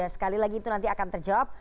sekali lagi itu nanti akan terjawab